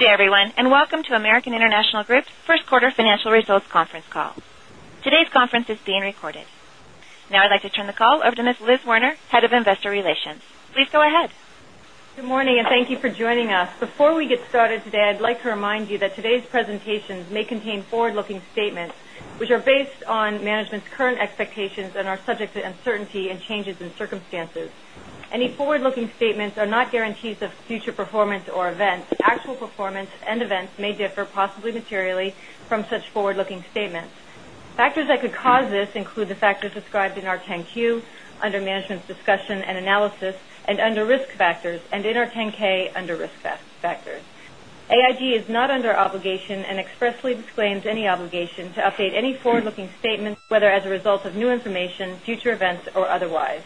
Good day, everyone, and welcome to American International Group's first quarter financial results conference call. Today's conference is being recorded. Now I'd like to turn the call over to Ms. Liz Werner, Head of Investor Relations. Please go ahead. Good morning, and thank you for joining us. Before we get started today, I'd like to remind you that today's presentations may contain forward-looking statements which are based on management's current expectations and are subject to uncertainty and changes in circumstances. Any forward-looking statements are not guarantees of future performance or events. Actual performance and events may differ, possibly materially, from such forward-looking statements. Factors that could cause this include the factors described in our 10-Q under Management's Discussion and Analysis and under Risk Factors and in our 10-K under Risk Factors. AIG is not under obligation and expressly disclaims any obligation to update any forward-looking statements, whether as a result of new information, future events or otherwise.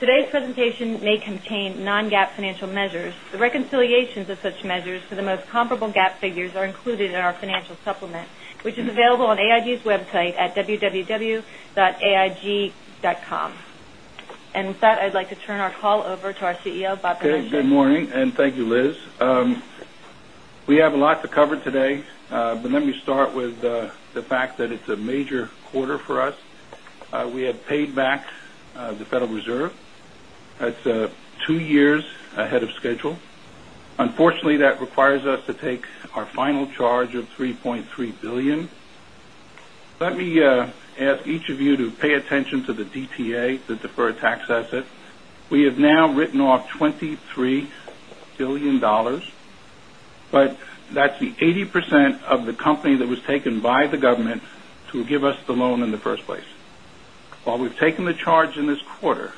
Today's presentation may contain non-GAAP financial measures. The reconciliations of such measures to the most comparable GAAP figures are included in our financial supplement, which is available on AIG's website at www.aig.com. With that, I'd like to turn our call over to our CEO, Robert Benmosche. Okay, good morning and thank you, Liz. We have a lot to cover today. Let me start with the fact that it's a major quarter for us. We have paid back the Federal Reserve. That's two years ahead of schedule. Unfortunately, that requires us to take our final charge of $3.3 billion. Let me ask each of you to pay attention to the DTA, the deferred tax asset. We have now written off $23 billion, but that's the 80% of the company that was taken by the government to give us the loan in the first place. While we've taken the charge in this quarter,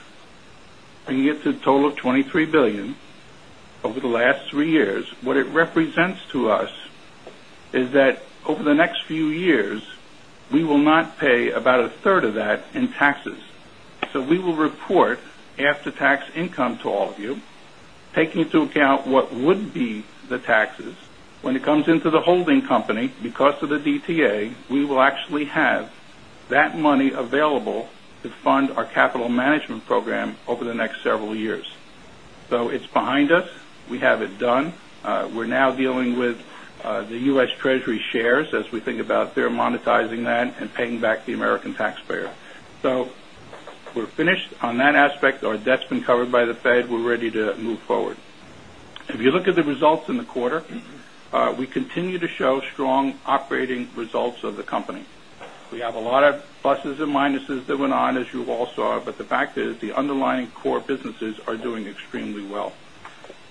and it's a total of $23 billion over the last three years, what it represents to us is that over the next few years, we will not pay about a third of that in taxes. We will report after-tax income to all of you, taking into account what would be the taxes. When it comes into the holding company, because of the DTA, we will actually have that money available to fund our capital management program over the next several years. It's behind us. We have it done. We're now dealing with the US Treasury shares as we think about their monetizing that and paying back the American taxpayer. We're finished on that aspect. Our debt's been covered by the Fed. We're ready to move forward. If you look at the results in the quarter, we continue to show strong operating results of the company. We have a lot of pluses and minuses that went on, as you all saw. The fact is, the underlying core businesses are doing extremely well.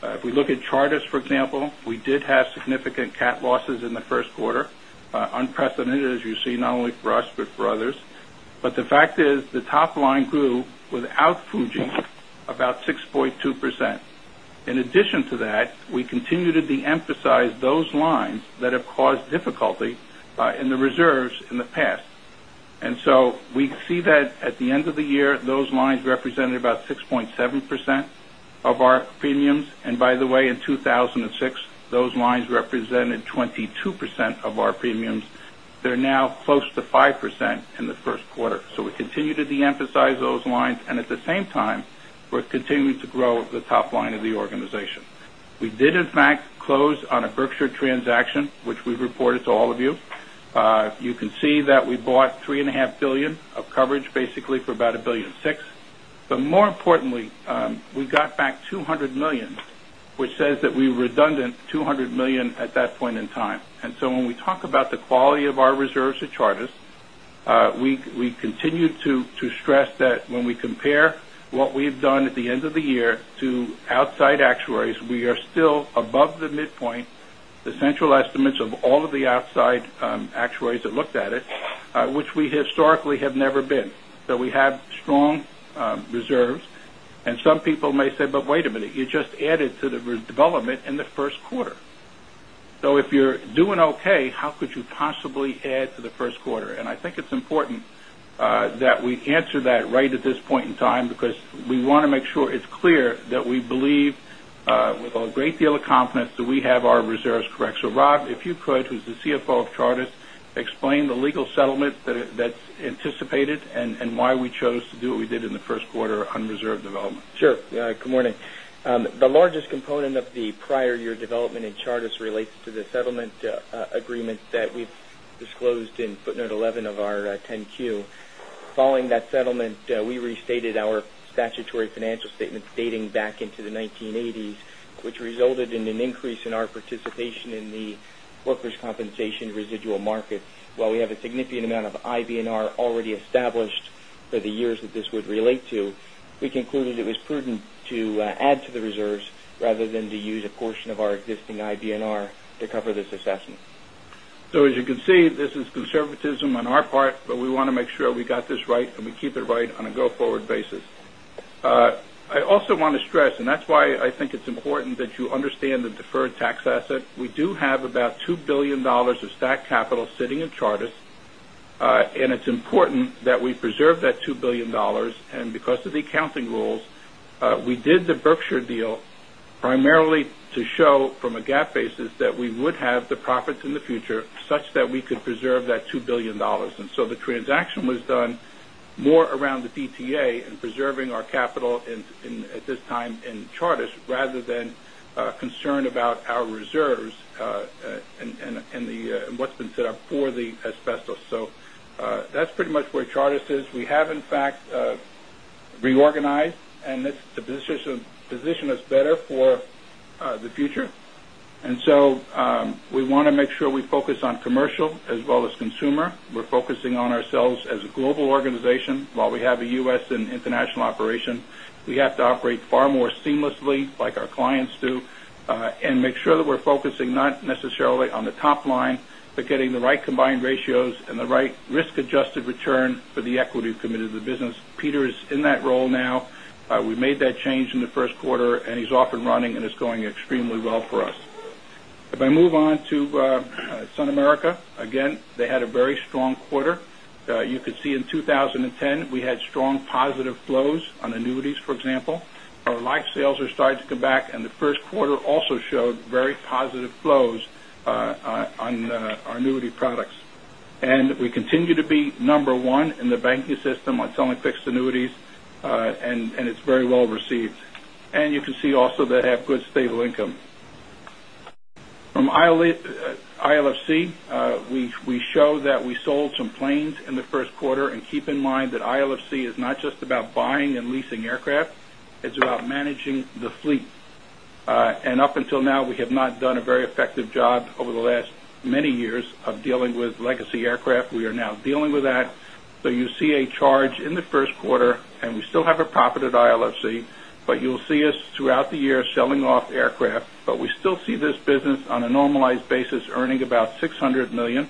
If we look at Chartis, for example, we did have significant CAT losses in the first quarter, unprecedented, as you see, not only for us, but for others. The fact is, the top line grew without Fuji, about 6.2%. In addition to that, we continue to de-emphasize those lines that have caused difficulty in the reserves in the past. We see that at the end of the year, those lines represented about 6.7% of our premiums. By the way, in 2006, those lines represented 22% of our premiums. They're now close to 5% in the first quarter. We continue to de-emphasize those lines, and at the same time, we're continuing to grow the top line of the organization. We did in fact close on a Berkshire transaction, which we've reported to all of you. You can see that we bought $3.5 billion of coverage basically for about $1.6 billion. More importantly, we got back $200 million, which says that we redundant $200 million at that point in time. When we talk about the quality of our reserves at Chartis, we continue to stress that when we compare what we've done at the end of the year to outside actuaries, we are still above the midpoint, the central estimates of all of the outside actuaries that looked at it, which we historically have never been. We have strong reserves. Some people may say, "Wait a minute, you just added to the development in the first quarter. If you're doing okay, how could you possibly add to the first quarter?" I think it's important that we answer that right at this point in time because we want to make sure it's clear that we believe with a great deal of confidence that we have our reserves correct. Rob, if you could, who's the CFO of Chartis, explain the legal settlement that's anticipated and why we chose to do what we did in the first quarter on reserve development. Good morning. The largest component of the prior year development in Chartis relates to the settlement agreement that we've disclosed in footnote 11 of our 10-Q. Following that settlement, we restated our statutory financial statements dating back into the 1980s, which resulted in an increase in our participation in the workers' compensation residual market. While we have a significant amount of IBNR already established for the years that this would relate to, we concluded it was prudent to add to the reserves rather than to use a portion of our existing IBNR to cover this assessment. As you can see, this is conservatism on our part, but we want to make sure we got this right and we keep it right on a go-forward basis. I also want to stress, and that's why I think it's important that you understand the deferred tax asset. We do have about $2 billion of stack capital sitting in Chartis, and it's important that we preserve that $2 billion. Because of the accounting rules, we did the Berkshire deal primarily to show from a GAAP basis that we would have the profits in the future such that we could preserve that $2 billion. The transaction was done More around the DTA and preserving our capital at this time in Chartis rather than concerned about our reserves and what's been set up for the asbestos. That's pretty much where Chartis is. We have in fact reorganized, and this position is better for the future. We want to make sure we focus on commercial as well as consumer. We're focusing on ourselves as a global organization. While we have a U.S. and international operation, we have to operate far more seamlessly like our clients do, and make sure that we're focusing not necessarily on the top line, but getting the right combined ratios and the right risk-adjusted return for the equity committed to the business. Peter is in that role now. We made that change in the first quarter, and he's off and running, and it's going extremely well for us. If I move on to SunAmerica, again, they had a very strong quarter. You could see in 2010, we had strong positive flows on annuities, for example. Our life sales are starting to come back, and the first quarter also showed very positive flows on our annuity products. We continue to be number one in the banking system on selling fixed annuities. It's very well received. You can see also they have good stable income. From ILFC, we show that we sold some planes in the first quarter, and keep in mind that ILFC is not just about buying and leasing aircraft. It's about managing the fleet. Up until now, we have not done a very effective job over the last many years of dealing with legacy aircraft. We are now dealing with that. You see a charge in the first quarter, and we still have a profit at ILFC, but you'll see us throughout the year selling off aircraft. We still see this business on a normalized basis, earning about $600 million.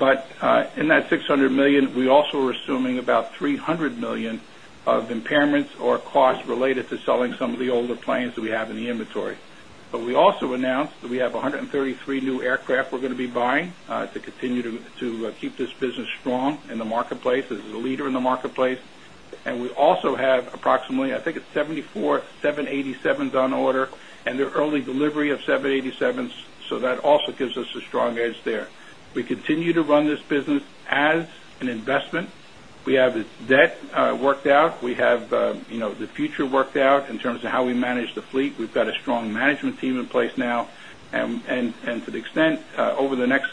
In that $600 million, we also are assuming about $300 million of impairments or costs related to selling some of the older planes that we have in the inventory. We also announced that we have 133 new aircraft we're going to be buying to continue to keep this business strong in the marketplace, as the leader in the marketplace. We also have approximately, I think it's 74 787s on order and the early delivery of 787s, that also gives us a strong edge there. We continue to run this business as an investment. We have its debt worked out. We have the future worked out in terms of how we manage the fleet. We've got a strong management team in place now. To the extent, over the next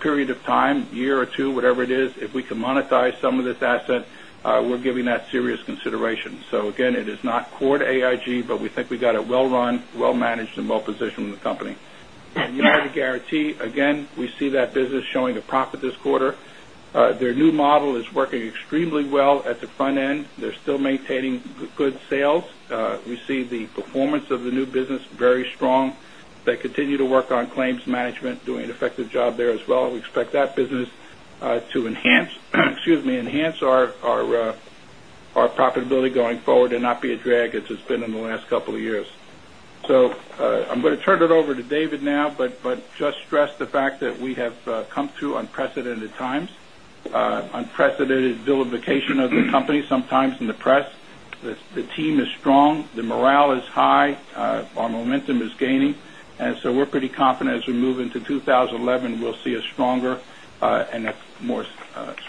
period of time, year or two, whatever it is, if we can monetize some of this asset, we're giving that serious consideration. Again, it is not core to AIG, but we think we've got a well-run, well-managed, and well-positioned company. United Guaranty, again, we see that business showing a profit this quarter. Their new model is working extremely well at the front end. They're still maintaining good sales. We see the performance of the new business, very strong. They continue to work on claims management, doing an effective job there as well. We expect that business to enhance our profitability going forward and not be a drag as it's been in the last couple of years. I'm going to turn it over to David now, just stress the fact that we have come through unprecedented times, unprecedented vilification of the company sometimes in the press. The team is strong. The morale is high. Our momentum is gaining. We're pretty confident as we move into 2011, we'll see a stronger and a more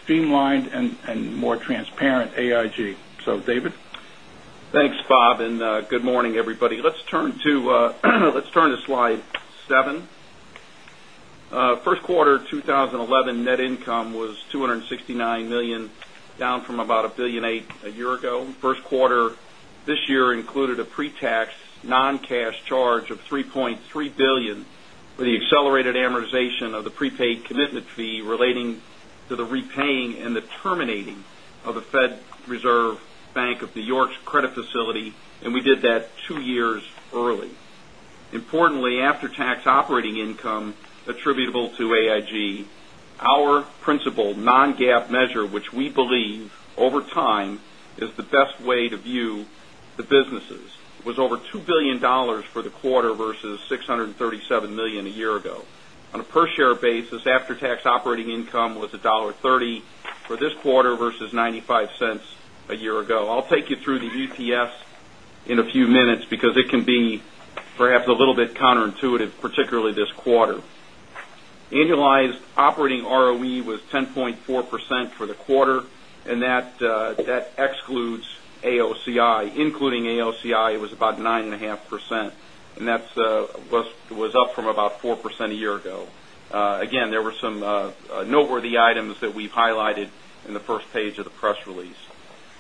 streamlined and more transparent AIG. David? Thanks, Bob. Good morning, everybody. Let's turn to slide seven. First quarter 2011 net income was $269 million, down from about $1.8 billion a year ago. First quarter this year included a pre-tax non-cash charge of $3.3 billion for the accelerated amortization of the prepaid commitment fee relating to the repaying and the terminating of the Federal Reserve Bank of New York's credit facility, and we did that two years early. Importantly, after-tax operating income attributable to AIG, our principal non-GAAP measure, which we believe over time is the best way to view the businesses, was over $2 billion for the quarter versus $637 million a year ago. On a per-share basis, after-tax operating income was $1.30 for this quarter versus $0.95 a year ago. I'll take you through the UTFs in a few minutes because it can be perhaps a little bit counterintuitive, particularly this quarter. Annualized operating ROE was 10.4% for the quarter, and that excludes AOCI. Including AOCI, it was about 9.5%, and that was up from about 4% a year ago. There were some noteworthy items that we've highlighted in the first page of the press release.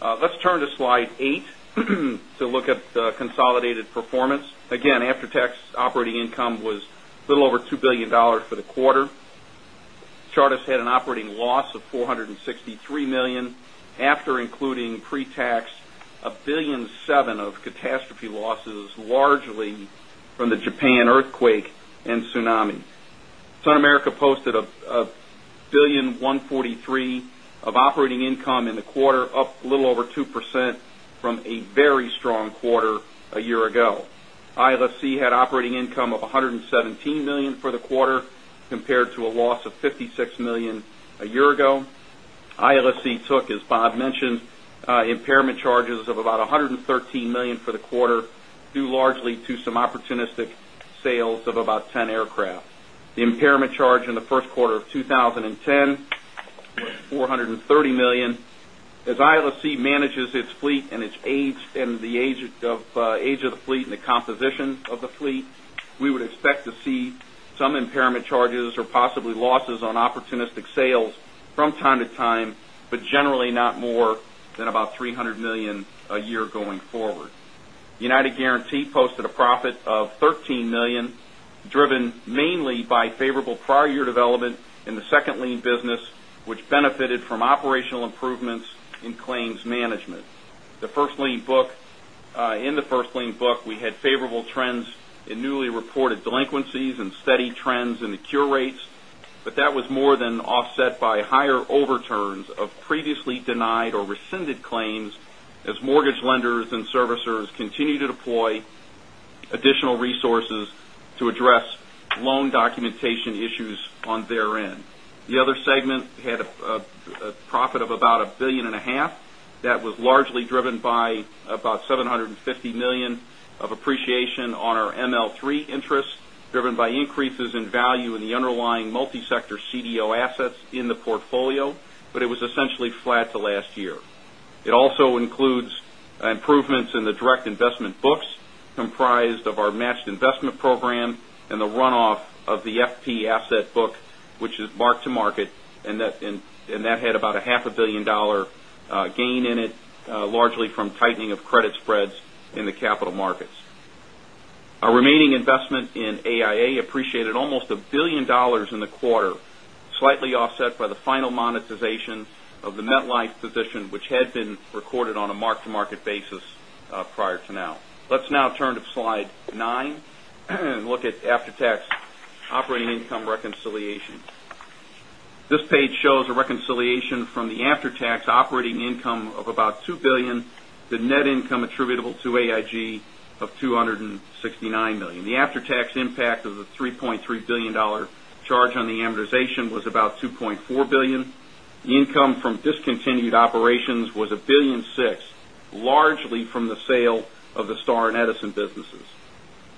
Let's turn to slide eight to look at the consolidated performance. After-tax operating income was a little over $2 billion for the quarter. Chartis had an operating loss of $463 million after including pre-tax, $1.7 billion of catastrophe losses, largely from the Japan earthquake and tsunami. SunAmerica posted $1.143 billion of operating income in the quarter, up a little over 2% from a very strong quarter a year ago. ILFC had operating income of $117 million for the quarter, compared to a loss of $56 million a year ago. ILFC took, as Bob mentioned, impairment charges of about $113 million for the quarter, due largely to some opportunistic sales of about 10 aircraft. The impairment charge in the first quarter of 2010 was $430 million. As ILFC manages its fleet and the age of the fleet and the composition of the fleet, we would expect to see some impairment charges or possibly losses on opportunistic sales from time to time, but generally not more than about $300 million a year going forward. United Guaranty posted a profit of $13 million, driven mainly by favorable prior year development in the second lien business, which benefited from operational improvements in claims management. In the first lien book, we had favorable trends in newly reported delinquencies and steady trends in the cure rates, that was more than offset by higher overturns of previously denied or rescinded claims as mortgage lenders and servicers continue to deploy additional resources to address loan documentation issues on their end. The other segment had a profit of about $1.5 billion that was largely driven by about $750 million of appreciation on our ML3 interest, driven by increases in value in the underlying multi-sector CDO assets in the portfolio, it was essentially flat to last year. It also includes improvements in the direct investment books comprised of our matched savings program and the runoff of the FP asset book, which is mark-to-market, that had about a $0.5 billion gain in it, largely from tightening of credit spreads in the capital markets. Our remaining investment in AIA appreciated almost $1 billion in the quarter, slightly offset by the final monetization of the MetLife position, which had been recorded on a mark-to-market basis prior to now. Let's now turn to slide nine and look at after-tax operating income reconciliation. This page shows a reconciliation from the after-tax operating income of about $2 billion, the net income attributable to AIG of $269 million. The after-tax impact of the $3.3 billion charge on the amortization was about $2.4 billion. The income from discontinued operations was $1.6 billion, largely from the sale of the Star and Edison businesses.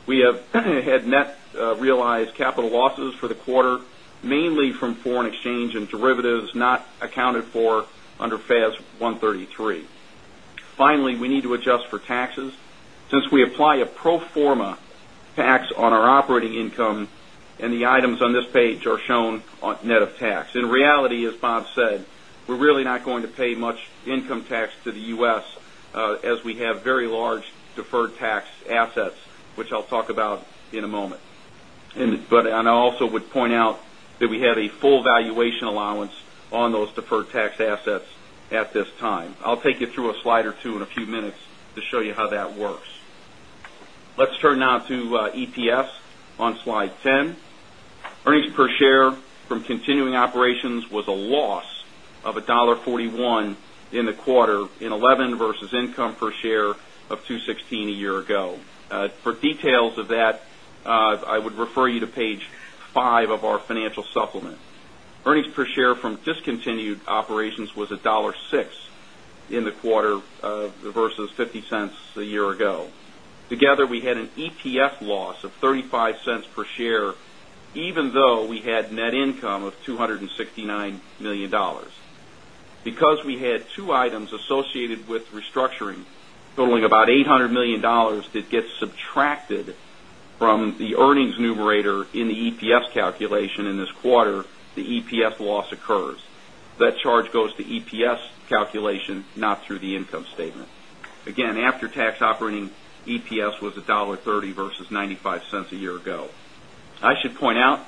We have had net realized capital losses for the quarter, mainly from foreign exchange and derivatives not accounted for under FAS 133. Finally, we need to adjust for taxes. Since we apply a pro forma tax on our operating income, the items on this page are shown net of tax. In reality, as Bob said, we're really not going to pay much income tax to the U.S., as we have very large deferred tax assets, which I'll talk about in a moment. I also would point out that we have a full valuation allowance on those deferred tax assets at this time. I'll take you through a slide or two in a few minutes to show you how that works. Let's turn now to EPS on slide 10. Earnings per share from continuing operations was a loss of $1.41 in the quarter in 2011 versus income per share of $2.16 a year ago. For details of that, I would refer you to page five of our financial supplement. Earnings per share from discontinued operations was $1.06 in the quarter versus $0.50 a year ago. Together, we had an ETF loss of $0.35 per share, even though we had net income of $269 million. We had two items associated with restructuring totaling about $800 million that gets subtracted from the earnings numerator in the EPS calculation in this quarter, the EPS loss occurs. That charge goes to EPS calculation, not through the income statement. Again, after-tax operating EPS was $1.30 versus $0.95 a year ago. I should point out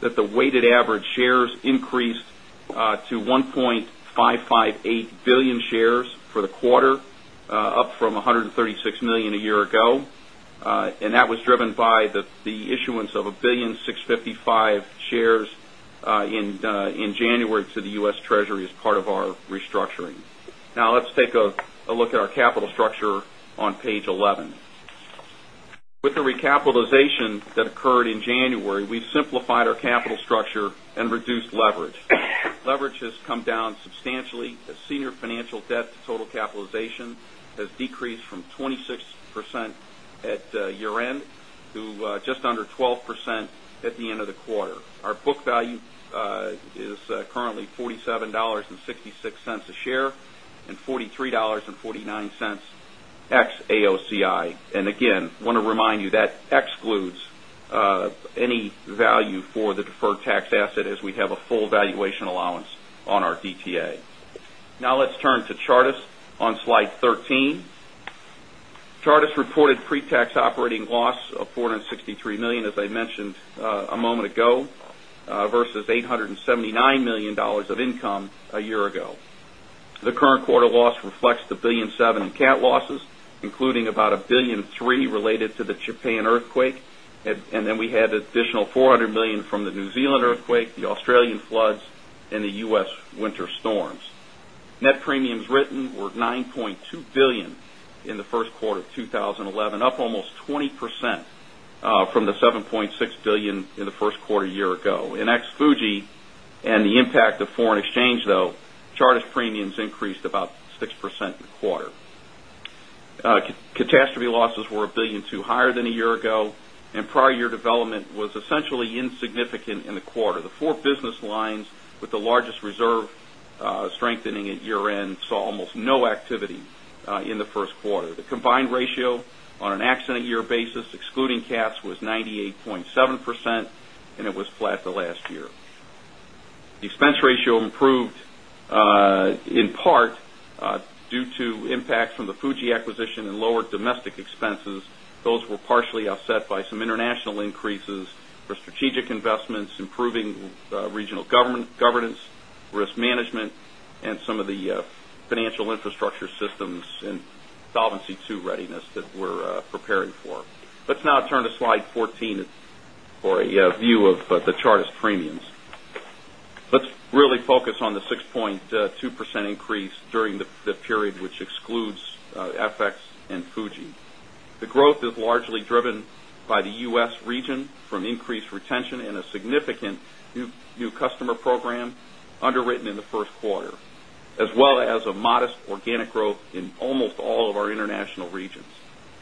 that the weighted average shares increased to 1.558 billion shares for the quarter, up from 136 million a year ago. That was driven by the issuance of 1 billion 655 shares in January to the U.S. Treasury as part of our restructuring. Now let's take a look at our capital structure on page 11. With the recapitalization that occurred in January, we've simplified our capital structure and reduced leverage. Leverage has come down substantially as senior financial debt to total capitalization has decreased from 26% at year-end to just under 12% at the end of the quarter. Our book value is currently $47.66 a share and $43.49 ex AOCI. Again, want to remind you that excludes any value for the deferred tax asset as we have a full valuation allowance on our DTA. Now let's turn to Chartis on slide 13. Chartis reported pre-tax operating loss of $463 million, as I mentioned a moment ago, versus $879 million of income a year ago. The current quarter loss reflects the $1.7 billion in CAT losses, including about $1.3 billion related to the Japan earthquake. Then we had an additional $400 million from the New Zealand earthquake, the Australian floods and the U.S. winter storms. Net premiums written were $9.2 billion in the first quarter of 2011, up almost 20% from the $7.6 billion in the first quarter a year ago. In ex Fuji and the impact of FX, though, Chartis premiums increased about 6% in the quarter. Catastrophe losses were $1.2 billion higher than a year ago. Prior year development was essentially insignificant in the quarter. The four business lines with the largest reserve strengthening at year-end saw almost no activity in the first quarter. The combined ratio on an accident year basis, excluding CATs, was 98.7%. It was flat the last year. The expense ratio improved in part due to impact from the Fuji acquisition and lower domestic expenses. Those were partially offset by some international increases for strategic investments, improving regional governance, risk management, and some of the financial infrastructure systems and Solvency II readiness that we're preparing for. Let's now turn to slide 14 for a view of the Chartis premiums. Let's really focus on the 6.2% increase during the period, which excludes FX and Fuji. The growth is largely driven by the U.S. region from increased retention and a significant new customer program underwritten in the first quarter, as well as a modest organic growth in almost all of our international regions.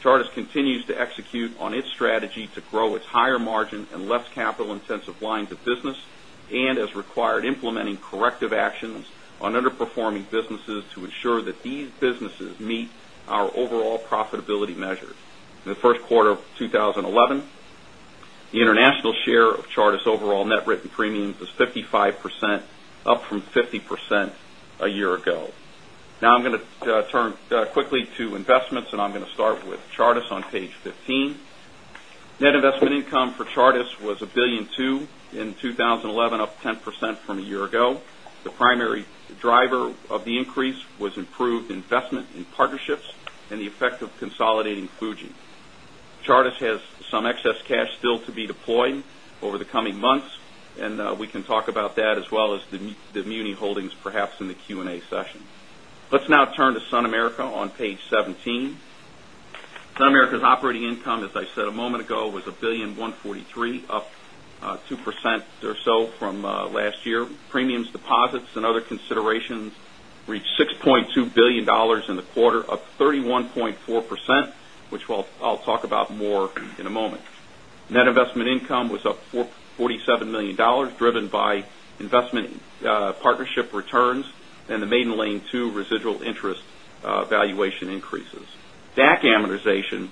Chartis continues to execute on its strategy to grow its higher margin and less capital-intensive lines of business, and as required, implementing corrective actions on underperforming businesses to ensure that these businesses meet our overall profitability measures. In the first quarter of 2011, the international share of Chartis' overall net written premiums was 55%, up from 50% a year ago. I'm going to turn quickly to investments, and I'm going to start with Chartis on page 15. Net investment income for Chartis was $1.2 billion in 2011, up 10% from a year ago. The primary driver of the increase was improved investment in partnerships and the effect of consolidating Fuji. Chartis has some excess cash still to be deployed over the coming months, and we can talk about that as well as the muni holdings perhaps in the Q&A session. Let's now turn to SunAmerica on page 17. SunAmerica's operating income, as I said a moment ago, was $1.143 billion, up 2% or so from last year. Premiums, deposits, and other considerations reached $6.2 billion in the quarter, up 31.4%, which I'll talk about more in a moment. Net investment income was up $47 million, driven by investment partnership returns and the Maiden Lane II residual interest valuation increases. DAC amortization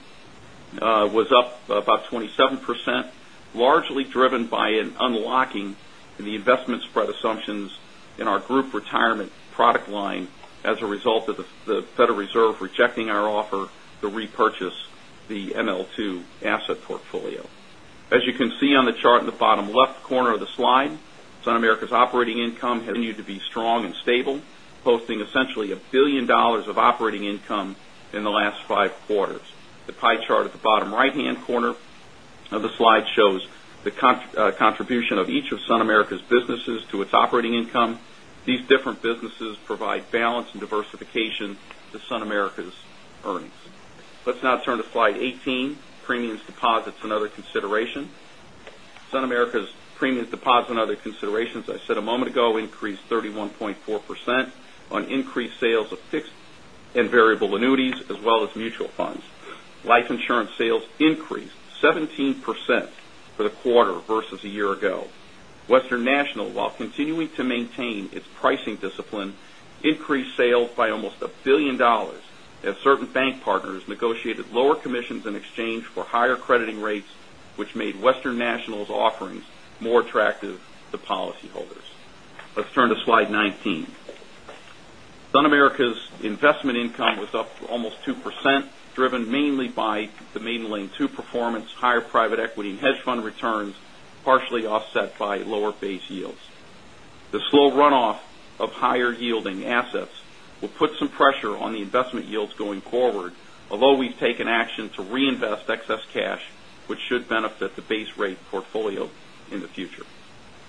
was up about 27%, largely driven by an unlocking in the investment spread assumptions in our group retirement product line as a result of the Federal Reserve rejecting our offer to repurchase the ML II asset portfolio. As you can see on the chart in the bottom left corner of the slide, SunAmerica's operating income has needed to be strong and stable, posting essentially $1 billion of operating income in the last five quarters. The pie chart at the bottom right-hand corner of the slide shows the contribution of each of SunAmerica's businesses to its operating income. These different businesses provide balance and diversification to SunAmerica's earnings. Let's now turn to slide 18, premiums, deposits, and other considerations. SunAmerica's premiums, deposit, and other considerations, I said a moment ago, increased 31.4% on increased sales of fixed and variable annuities, as well as mutual funds. Life insurance sales increased 17% for the quarter versus a year ago. Western National, while continuing to maintain its pricing discipline, increased sales by almost $1 billion as certain bank partners negotiated lower commissions in exchange for higher crediting rates, which made Western National's offerings more attractive to policyholders. Let's turn to slide 19. SunAmerica's investment income was up almost 2%, driven mainly by the Maiden Lane II performance, higher private equity and hedge fund returns, partially offset by lower base yields. The slow runoff of higher yielding assets will put some pressure on the investment yields going forward, although we've taken action to reinvest excess cash, which should benefit the base rate portfolio in the future.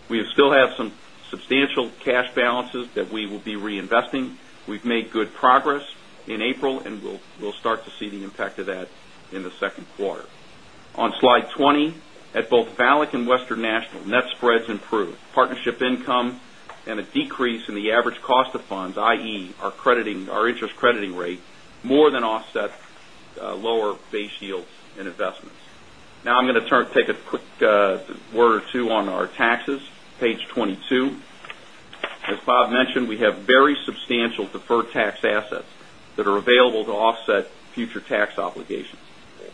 We still have some substantial cash balances that we will be reinvesting. We've made good progress in April, and we'll start to see the impact of that in the second quarter. On slide 20, at both VALIC and Western National, net spreads improved. Partnership income and a decrease in the average cost of funds, i.e., our interest crediting rate, more than offset lower base yields in investments. Now I'm going to take a quick word or two on our taxes, page 22. As Bob mentioned, we have very substantial deferred tax assets that are available to offset future tax obligations.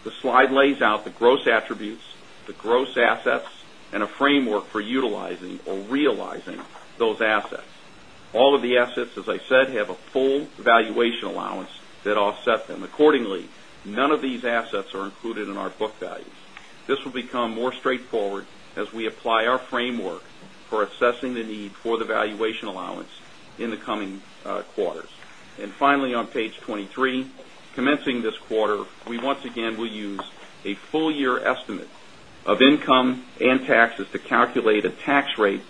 The slide lays out the gross attributes, the gross assets, and a framework for utilizing or realizing those assets. All of the assets, as I said, have a full valuation allowance that offset them. Accordingly, none of these assets are included in our book values. This will become more straightforward as we apply our framework for assessing the need for the valuation allowance in the coming quarters. Finally, on page 23, commencing this quarter, we once again will use a full year estimate of income and taxes to calculate a tax rate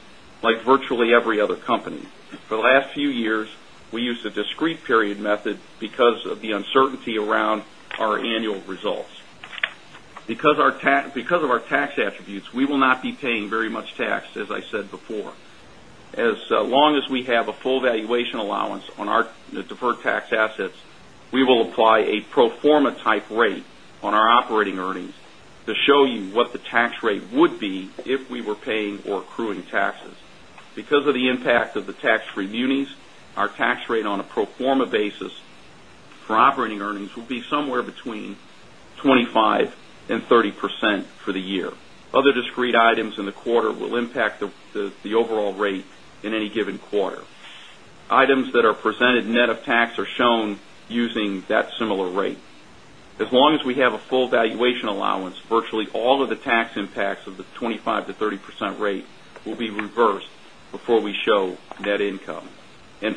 like virtually every other company. For the last few years, we used a discrete period method because of the uncertainty around our annual results. Because of our tax attributes, we will not be paying very much tax, as I said before. As long as we have a full valuation allowance on our deferred tax assets, we will apply a pro forma type rate on our operating earnings to show you what the tax rate would be if we were paying or accruing taxes. Because of the impact of the tax-free munis, our tax rate on a pro forma basis for operating earnings will be somewhere between 25%-30% for the year. Other discrete items in the quarter will impact the overall rate in any given quarter. Items that are presented net of tax are shown using that similar rate. As long as we have a full valuation allowance, virtually all of the tax impacts of the 25%-30% rate will be reversed before we show net income.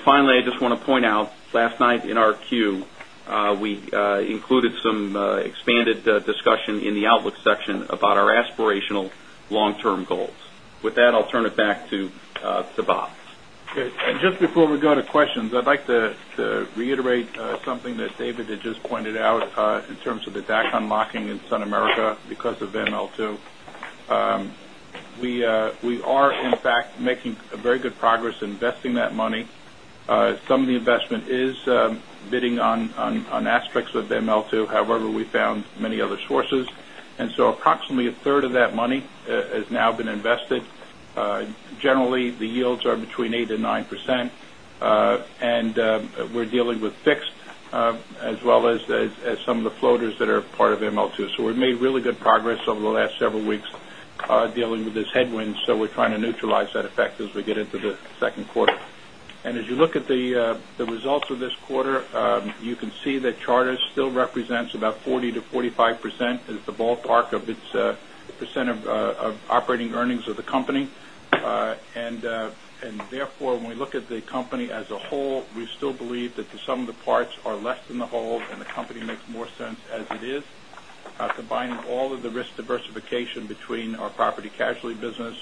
Finally, I just want to point out, last night in our 10-Q, we included some expanded discussion in the outlook section about our aspirational long-term goals. With that, I'll turn it back to Bob. Okay. Just before we go to questions, I'd like to reiterate something that David had just pointed out in terms of the DAC unlocking in SunAmerica because of ML2. We are, in fact, making very good progress investing that money. Some of the investment is bidding on aspects of ML2. However, we found many other sources, approximately a third of that money has now been invested. Generally, the yields are between 8% and 9%, and we're dealing with fixed as well as some of the floaters that are part of ML2. We've made really good progress over the last several weeks dealing with this headwind. We're trying to neutralize that effect as we get into the second quarter. As you look at the results of this quarter, you can see that Chartis still represents about 40%-45% is the ballpark of its percent of operating earnings of the company. When we look at the company as a whole, we still believe that the sum of the parts are less than the whole, and the company makes more sense as it is combining all of the risk diversification between our property casualty business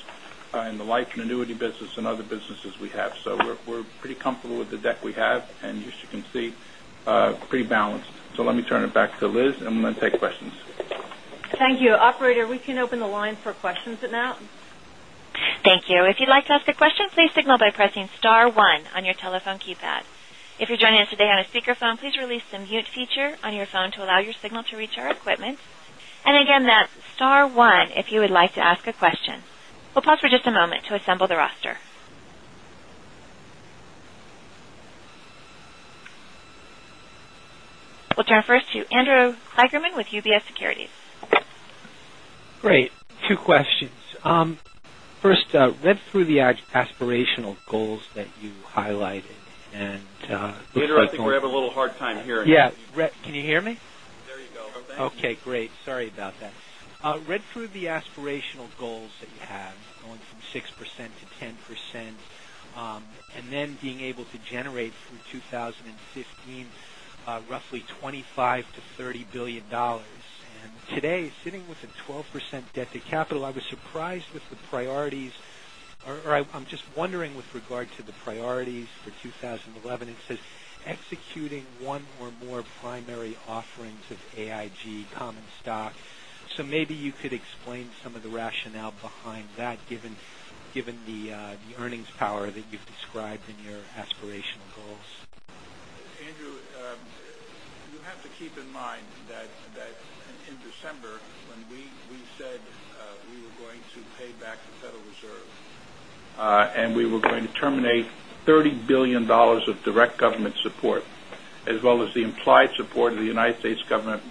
and the life and annuity business and other businesses we have. We're pretty comfortable with the deck we have, and as you can see, pretty balanced. Let me turn it back to Liz, and we'll then take questions. Thank you. Operator, we can open the line for questions now. Thank you. If you'd like to ask a question, please signal by pressing *1 on your telephone keypad. If you're joining us today on a speakerphone, please release the mute feature on your phone to allow your signal to reach our equipment. Again, that's *1 if you would like to ask a question. We'll pause for just a moment to assemble the roster. We'll turn first to Andrew Kligerman with UBS Securities. Great. Two questions. First, read through the aspirational goals that you highlighted and- Andrew, I think we're having a little hard time hearing. Yeah. Can you hear me? There you go. Okay, great. Sorry about that. Read through the aspirational goals that you have, going from 6% to 10%, and then being able to generate through 2015, roughly $25 billion-$30 billion. Today, sitting with a 12% debt to capital, I was surprised with the priorities, or I am just wondering with regard to the priorities for 2011. It says, "Executing one or more primary offerings of AIG common stock." Maybe you could explain some of the rationale behind that, given the earnings power that you have described in your aspirational goals. Andrew, you have to keep in mind that in December, when we said we were going to pay back the Federal Reserve, we were going to terminate $30 billion of direct government support, as well as the implied support of the United States government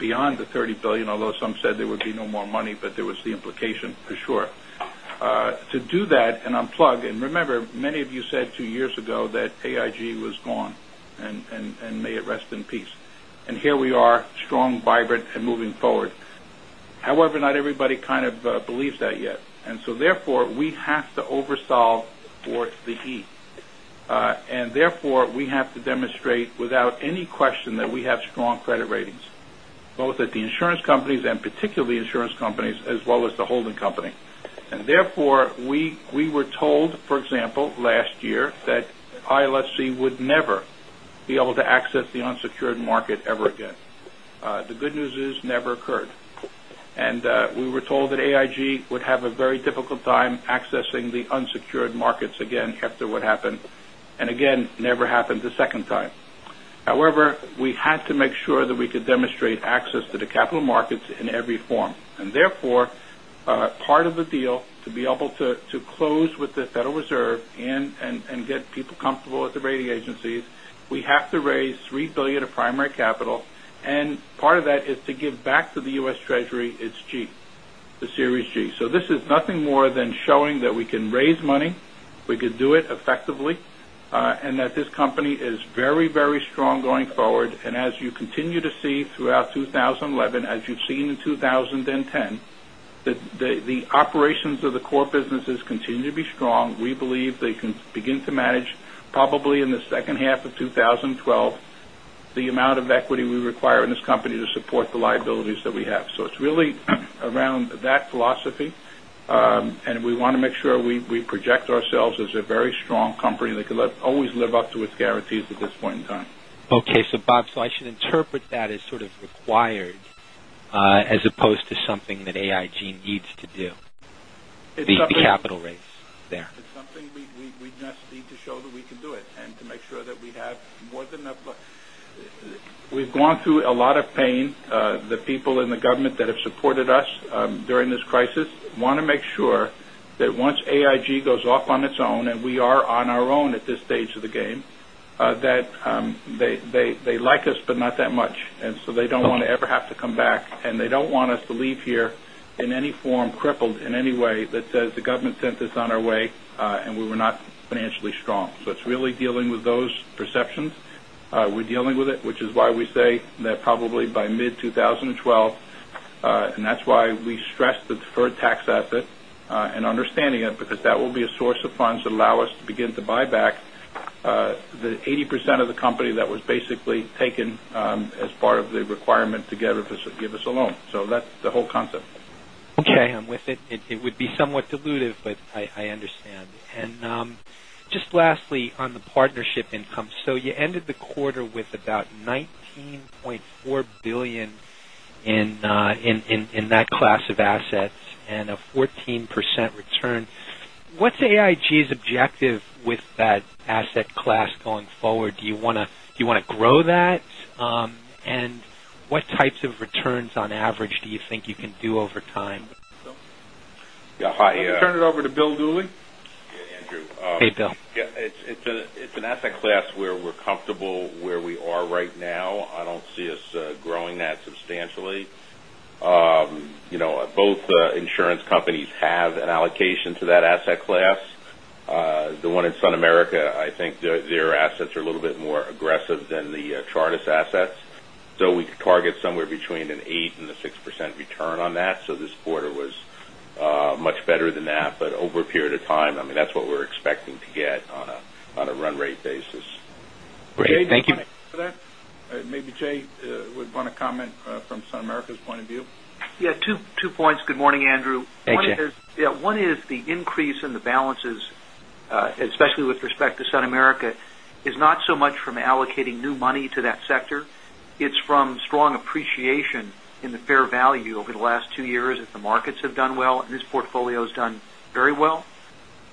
beyond the $30 billion, although some said there would be no more money, there was the implication for sure. To do that and unplug, remember, many of you said two years ago that AIG was gone, and may it rest in peace. Here we are, strong, vibrant, and moving forward. However, not everybody kind of believes that yet. Therefore, we have to oversolve for the E. Therefore, we have to demonstrate without any question that we have strong credit ratings, both at the insurance companies and particularly insurance companies as well as the holding company. Therefore, we were told, for example, last year that ILFC would never be able to access the unsecured market ever again. The good news is, never occurred. We were told that AIG would have a very difficult time accessing the unsecured markets again after what happened. Again, never happened a second time. However, we had to make sure that we could demonstrate access to the capital markets in every form. Therefore, part of the deal to be able to close with the Federal Reserve and get people comfortable with the rating agencies, we have to raise $3 billion of primary capital, and part of that is to give back to the US Treasury its G, the Series G. This is nothing more than showing that we can raise money, we could do it effectively, and that this company is very strong going forward. As you continue to see throughout 2011, as you have seen in 2010, that the operations of the core businesses continue to be strong. We believe they can begin to manage probably in the second half of 2012, the amount of equity we require in this company to support the liabilities that we have. It is really around that philosophy. We want to make sure we project ourselves as a very strong company that can always live up to its guarantees at this point in time. Okay. Bob, I should interpret that as sort of required, as opposed to something that AIG needs to do. It's. The capital raise there. It's something we just need to show that we can do it and to make sure that we have more than enough. We've gone through a lot of pain. The people in the government that have supported us during this crisis want to make sure that once AIG goes off on its own, and we are on our own at this stage of the game, that they like us, but not that much. They don't want to ever have to come back, and they don't want us to leave here in any form, crippled in any way that says the government sent us on our way, and we were not financially strong. It's really dealing with those perceptions. We're dealing with it, which is why we say that probably by mid 2012, and that's why we stress the deferred tax asset, and understanding it, because that will be a source of funds that allow us to begin to buy back the 80% of the company that was basically taken as part of the requirement to give us a loan. That's the whole concept. Okay. I'm with it. It would be somewhat dilutive, I understand. Just lastly, on the partnership income. You ended the quarter with about $19.4 billion in that class of assets and a 14% return. What's AIG's objective with that asset class going forward? Do you want to grow that? What types of returns on average do you think you can do over time? Yeah. Hi. Let me turn it over to William Dooley. Yeah, Andrew. Hey, Bill. Yeah, it's an asset class where we're comfortable where we are right now. I don't see us growing that substantially. Both insurance companies have an allocation to that asset class. The one in SunAmerica, I think their assets are a little bit more aggressive than the Chartis assets. We could target somewhere between an eight and a six% return on that. This quarter was much better than that, but over a period of time, that's what we're expecting to get on a run rate basis. Great. Thank you. Maybe Jay would want to comment from SunAmerica's point of view. Yeah. Two points. Good morning, Andrew. Hey, Jay. One is the increase in the balances, especially with respect to SunAmerica, is not so much from allocating new money to that sector. It's from strong appreciation in the fair value over the last two years as the markets have done well, and this portfolio has done very well.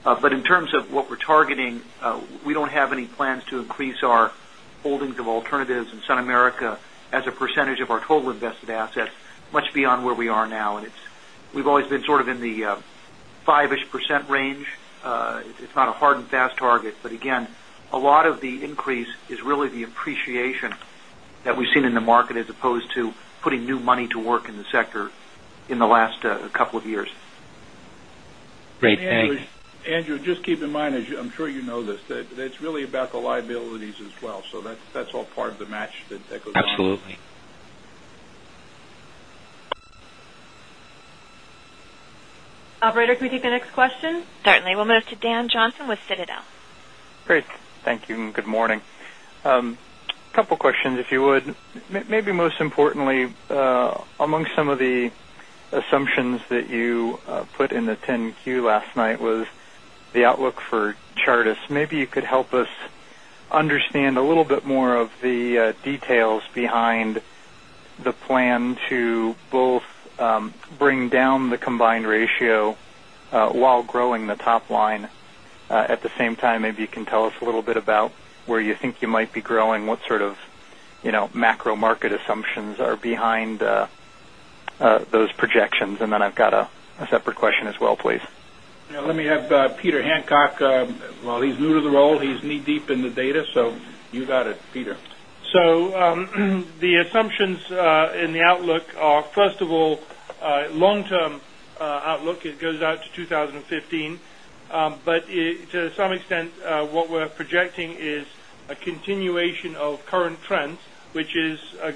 In terms of what we're targeting, we don't have any plans to increase our holdings of alternatives in SunAmerica as a percentage of our total invested assets much beyond where we are now. We've always been sort of in the five-ish % range. It's not a hard and fast target, but again, a lot of the increase is really the appreciation that we've seen in the market as opposed to putting new money to work in the sector in the last couple of years. Great. Thanks. Andrew, just keep in mind, as I'm sure you know this, that it's really about the liabilities as well. That's all part of the match that goes on. Absolutely. Operator, can we take the next question? Certainly. We'll move to Dan Johnson with Citadel. Great. Thank you, and good morning. Couple questions, if you would. Maybe most importantly, amongst some of the assumptions that you put in the 10-Q last night was the outlook for Chartis. Maybe you could help us understand a little bit more of the details behind the plan to both bring down the combined ratio while growing the top line. At the same time, maybe you can tell us a little bit about where you think you might be growing, what sort of macro market assumptions are behind those projections. Then I've got a separate question as well, please. Let me have Peter Hancock. While he's new to the role, he's knee-deep in the data. You got it, Peter. The assumptions in the outlook are, first of all, long-term outlook, it goes out to 2015. To some extent, what we're projecting is a continuation of current trends, which is a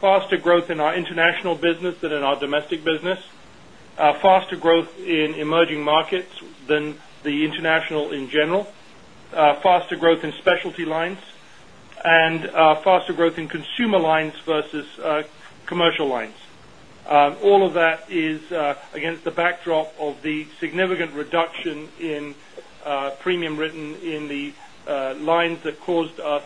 faster growth in our international business than in our domestic business, a faster growth in emerging markets than the international in general, faster growth in specialty lines, and faster growth in consumer lines versus commercial lines. All of that is against the backdrop of the significant reduction in premium written in the lines that caused us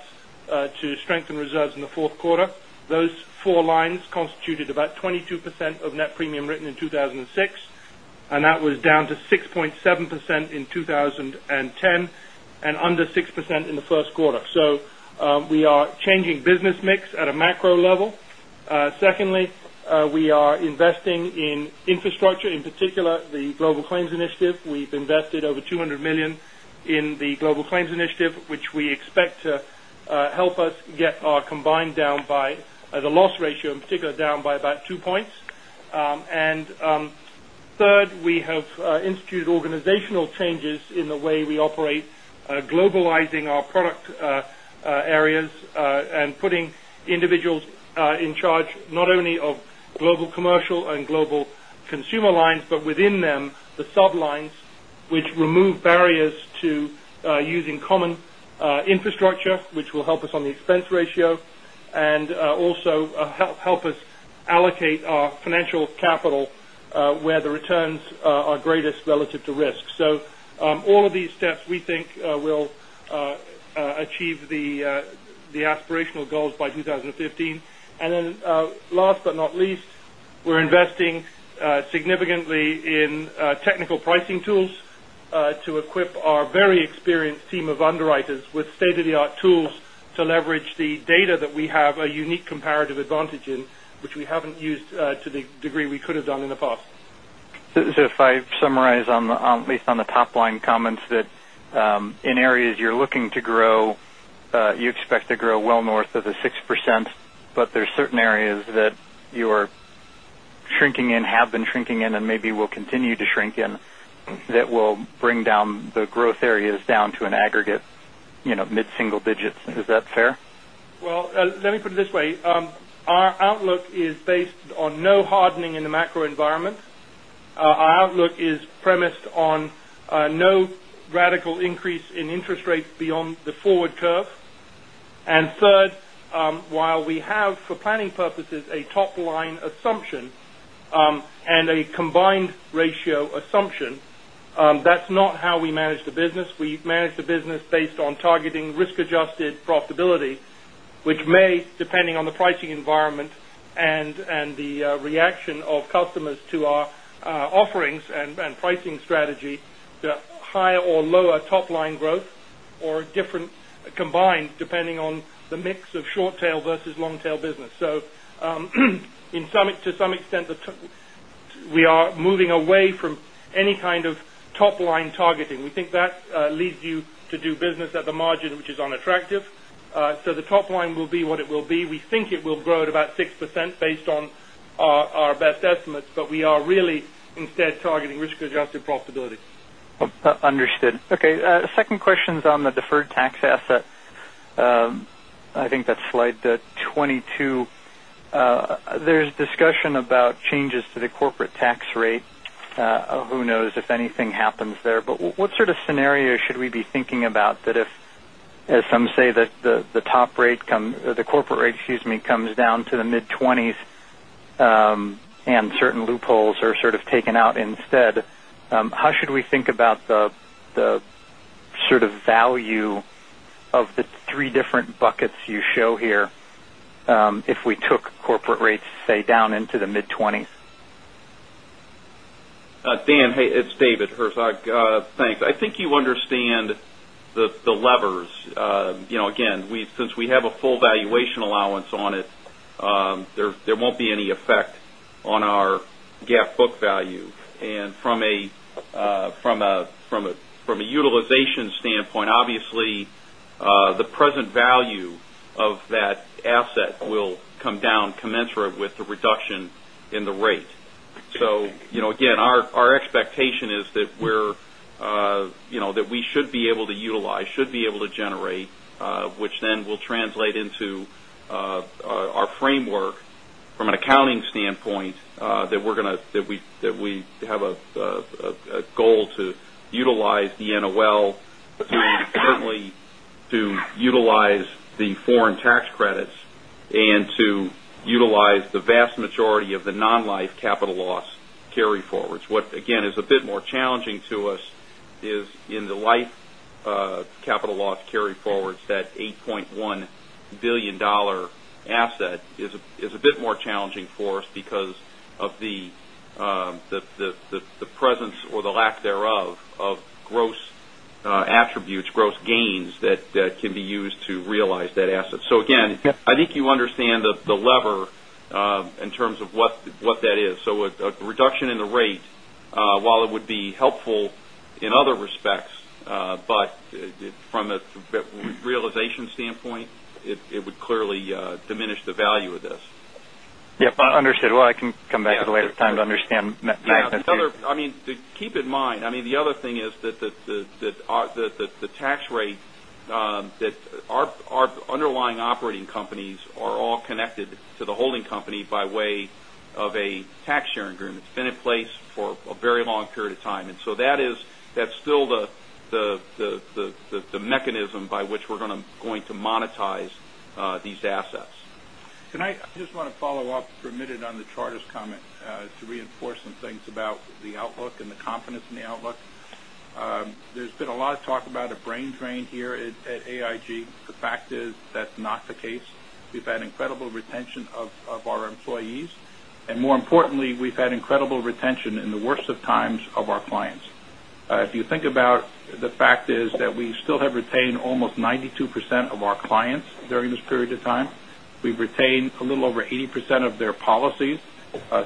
to strengthen reserves in the fourth quarter. Those four lines constituted about 22% of net premium written in 2006, and that was down to 6.7% in 2010 and under 6% in the first quarter. We are changing business mix at a macro level. Secondly, we are investing in infrastructure, in particular, the Global Claims Initiative. We've invested over $200 million in the Global Claims Initiative, which we expect to help us get our combined down by the loss ratio, in particular, down by about two points. Third, we have instituted organizational changes in the way we operate, globalizing our product areas, and putting individuals in charge not only of global commercial and global consumer lines, but within them, the sub-lines Which remove barriers to using common infrastructure, which will help us on the expense ratio and also help us allocate our financial capital where the returns are greatest relative to risk. All of these steps, we think, will achieve the aspirational goals by 2015. Last but not least, we're investing significantly in technical pricing tools to equip our very experienced team of underwriters with state-of-the-art tools to leverage the data that we have a unique comparative advantage in, which we haven't used to the degree we could have done in the past. If I summarize, at least on the top-line comments, that in areas you're looking to grow, you expect to grow well north of the 6%, but there's certain areas that you are shrinking in, have been shrinking in, and maybe will continue to shrink in, that will bring down the growth areas down to an aggregate mid-single digits. Is that fair? Well, let me put it this way. Our outlook is based on no hardening in the macro environment. Our outlook is premised on no radical increase in interest rates beyond the forward curve. Third, while we have, for planning purposes, a top-line assumption and a combined ratio assumption, that's not how we manage the business. We manage the business based on targeting risk-adjusted profitability, which may, depending on the pricing environment and the reaction of customers to our offerings and pricing strategy, higher or lower top-line growth or different combined depending on the mix of short-tail versus long-tail business. To some extent, we are moving away from any kind of top-line targeting. We think that leads you to do business at the margin, which is unattractive. The top line will be what it will be. We think it will grow at about 6% based on our best estimates, but we are really instead targeting risk-adjusted profitability. Understood. Okay. Second question is on the deferred tax asset. I think that's slide 22. There's discussion about changes to the corporate tax rate. Who knows if anything happens there. What sort of scenario should we be thinking about that if, as some say, the corporate rate comes down to the mid-20s and certain loopholes are sort of taken out instead, how should we think about the sort of value of the three different buckets you show here if we took corporate rates, say, down into the mid-20s? Dan, hey, it's David Herzog. Thanks. I think you understand the levers. Since we have a full valuation allowance on it, there won't be any effect on our GAAP book value. From a utilization standpoint, obviously, the present value of that asset will come down commensurate with the reduction in the rate. Again, our expectation is that we should be able to utilize, should be able to generate, which then will translate into our framework from an accounting standpoint, that we have a goal to utilize the NOL, but more importantly, to utilize the foreign tax credits and to utilize the vast majority of the non-life capital loss carryforwards. What, again, is a bit more challenging to us is in the life capital loss carryforwards, that $8.1 billion asset is a bit more challenging for us because of the presence or the lack thereof of gross attributes, gross gains that can be used to realize that asset. Yep I think you understand the lever in terms of what that is. A reduction in the rate, while it would be helpful in other respects, but from a realization standpoint, it would clearly diminish the value of this. Yep. Understood. Well, I can come back at a later time to understand that. I mean, keep in mind, the other thing is that the tax rate that our underlying operating companies are all connected to the holding company by way of a tax sharing agreement. It's been in place for a very long period of time. That's still the mechanism by which we're going to monetize these assets. I just want to follow up for a minute on the Chartis comment to reinforce some things about the outlook and the confidence in the outlook. There's been a lot of talk about a brain drain here at AIG. The fact is that's not the case. We've had incredible retention of our employees, and more importantly, we've had incredible retention in the worst of times of our clients. If you think about the fact is that we still have retained almost 92% of our clients during this period of time. We've retained a little over 80% of their policies.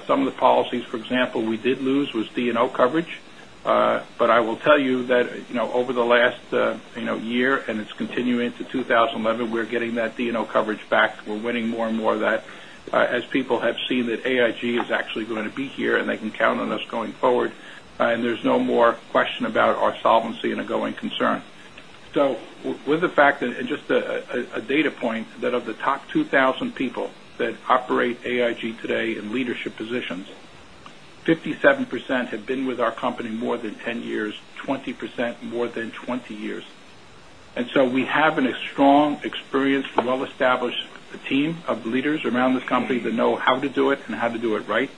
Some of the policies, for example, we did lose was D&O coverage. I will tell you that over the last year, and it's continuing to 2011, we're getting that D&O coverage back. We're winning more and more of that as people have seen that AIG is actually going to be here and they can count on us going forward, and there's no more question about our solvency and a going concern. With the fact that, and just a data point, that of the top 2,000 people that operate AIG today in leadership positions, 57% have been with our company more than 10 years, 20% more than 20 years. We have a strong, experienced, well-established team of leaders around this company that know how to do it and how to do it right.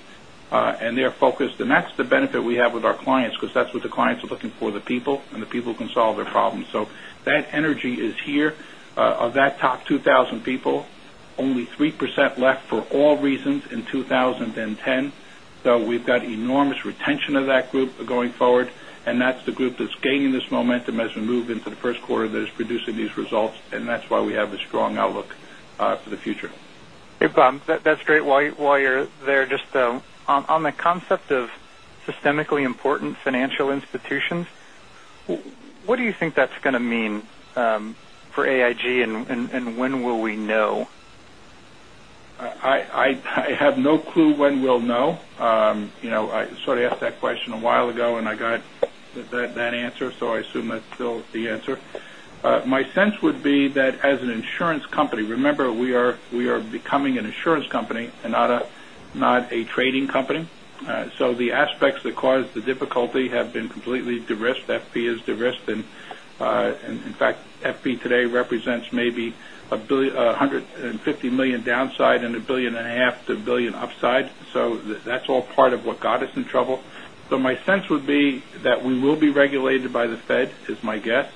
They are focused. That's the benefit we have with our clients because that's what the clients are looking for, the people, and the people who can solve their problems. That energy is here. Of that top 2,000 people, only 3% left for all reasons in 2010. We've got enormous retention of that group going forward, and that's the group that's gaining this momentum as we move into the first quarter that is producing these results, and that's why we have a strong outlook for the future. Hey, Bob, that's great. While you're there, just on the concept of systemically important financial institutions, what do you think that's going to mean for AIG and when will we know? I have no clue when we'll know. I sort of asked that question a while ago, and I got that answer, I assume that's still the answer. My sense would be that as an insurance company, remember, we are becoming an insurance company and not a trading company. The aspects that caused the difficulty have been completely de-risked. FP is de-risked, and in fact, FP today represents maybe $150 million downside and a billion and a half to a billion upside. That's all part of what got us in trouble. My sense would be that we will be regulated by the Fed, is my guess.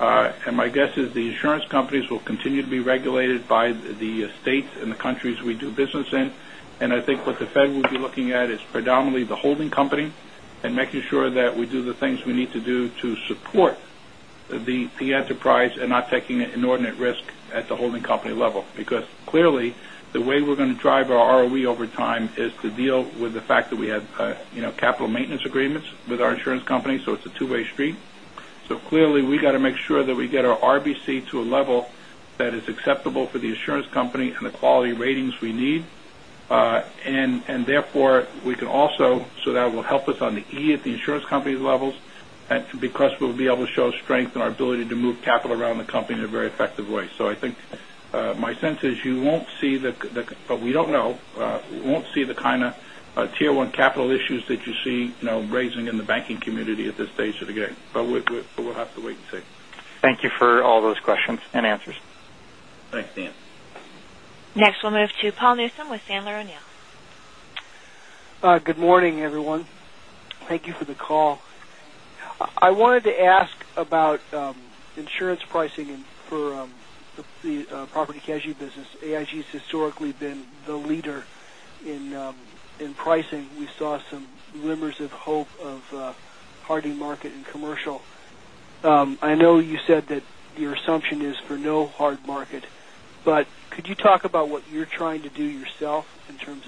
My guess is the insurance companies will continue to be regulated by the states and the countries we do business in. I think what the Fed will be looking at is predominantly the holding company and making sure that we do the things we need to do to support the enterprise and not taking an inordinate risk at the holding company level. Because clearly, the way we're going to drive our ROE over time is to deal with the fact that we have capital maintenance agreements with our insurance company, it's a two-way street. Clearly, we got to make sure that we get our RBC to a level that is acceptable for the insurance company and the quality ratings we need. Therefore, we can also, that will help us on the E at the insurance company levels because we'll be able to show strength in our ability to move capital around the company in a very effective way. I think my sense is you won't see the, but we don't know, you won't see the kind of Tier 1 capital issues that you see raising in the banking community at this stage of the game. We'll have to wait and see. Thank you for all those questions and answers. Thanks, Dan. Next, we'll move to Paul Newsome with Sandler O'Neill. Good morning, everyone. Thank you for the call. I wanted to ask about insurance pricing for the property casualty business. AIG has historically been the leader in pricing. We saw some glimmers of hope of a hardening market in commercial. I know you said that your assumption is for no hard market, Could you talk about what you're trying to do yourself in terms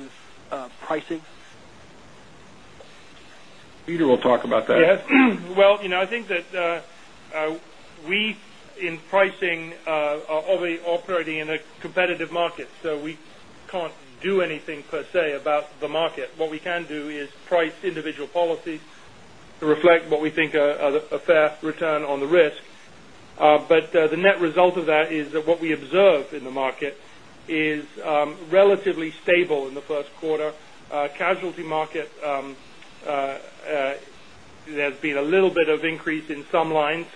of pricing? Peter will talk about that. Yes. Well, I think that we, in pricing, are already operating in a competitive market, We can't do anything per se about the market. What we can do is price individual policies to reflect what we think are a fair return on the risk. The net result of that is that what we observe in the market is relatively stable in the first quarter. Casualty market, there's been a little bit of increase in some lines.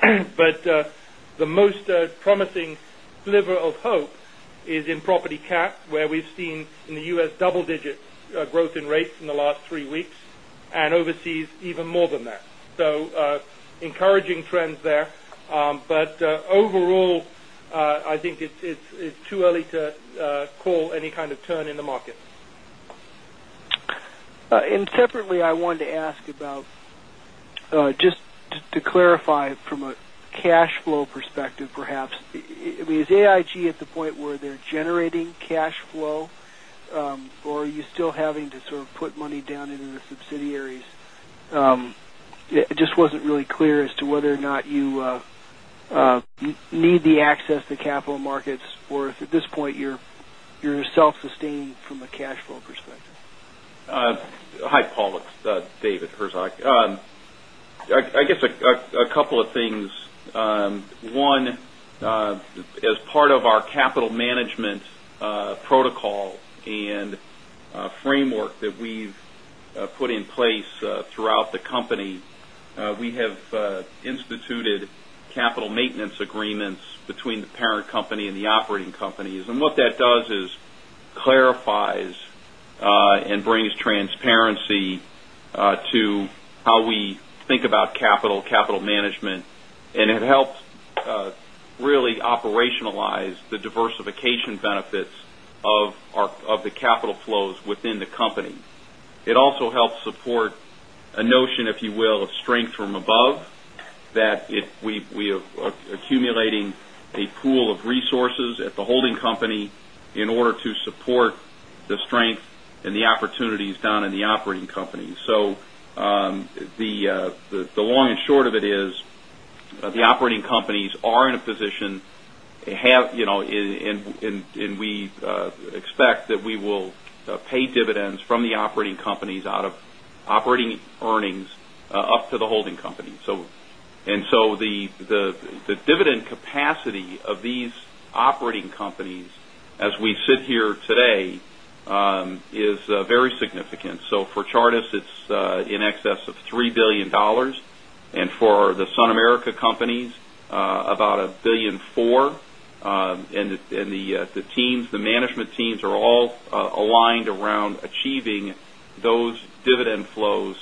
The most promising sliver of hope is in property cat, where we've seen in the U.S. double-digit growth in rates in the last three weeks and overseas even more than that. Encouraging trends there. Overall, I think it's too early to call any kind of turn in the market. Separately, I wanted to ask about, just to clarify from a cash flow perspective, perhaps, is AIG at the point where they're generating cash flow? Are you still having to sort of put money down into the subsidiaries? It just wasn't really clear as to whether or not you need the access to capital markets, or if at this point, you're self-sustained from a cash flow perspective. Hi, Paul. It's David Herzog. I guess a couple of things. One, as part of our capital management protocol and framework that we've put in place throughout the company, we have instituted capital maintenance agreements between the parent company and the operating companies. What that does is clarifies and brings transparency to how we think about capital management, and it helps really operationalize the diversification benefits of the capital flows within the company. It also helps support a notion, if you will, of strength from above, that we are accumulating a pool of resources at the holding company in order to support the strength and the opportunities down in the operating company. The long and short of it is The operating companies are in a position, and we expect that we will pay dividends from the operating companies out of operating earnings up to the holding company. The dividend capacity of these operating companies, as we sit here today, is very significant. For Chartis, it's in excess of $3 billion. For the SunAmerica companies, about $1.4 billion. The management teams are all aligned around achieving those dividend flows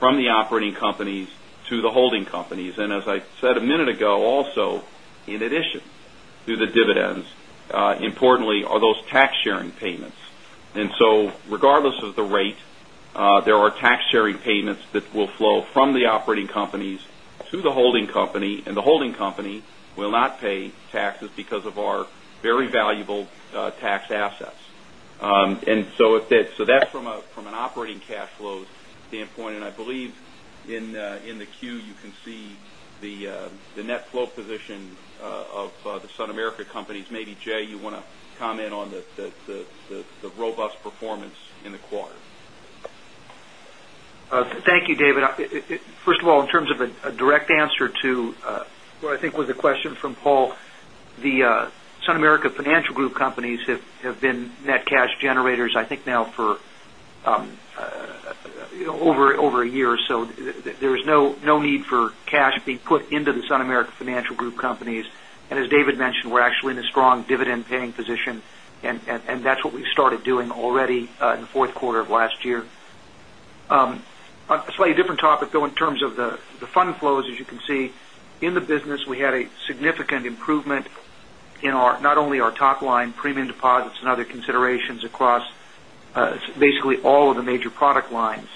from the operating companies to the holding companies. As I said a minute ago, also, in addition to the dividends, importantly are those tax sharing payments. Regardless of the rate, there are tax sharing payments that will flow from the operating companies to the holding company, and the holding company will not pay taxes because of our very valuable tax assets. That's from an operating cash flow standpoint, and I believe in the 10-Q you can see the net flow position of the SunAmerica companies. Maybe, Jay, you want to comment on the robust performance in the quarter? Thank you, David. First of all, in terms of a direct answer to what I think was a question from Paul, the SunAmerica companies have been net cash generators, I think now for over a year or so. There is no need for cash being put into the SunAmerica companies. As David mentioned, we're actually in a strong dividend paying position, and that's what we've started doing already in the fourth quarter of last year. A slightly different topic, though, in terms of the fund flows. As you can see, in the business, we had a significant improvement in not only our top-line premium deposits and other considerations across basically all of the major product lines,